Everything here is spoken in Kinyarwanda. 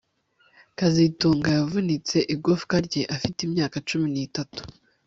kazitunga yavunitse igufwa rye afite imyaka cumi nitatu